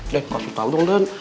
den kamu tahu dong den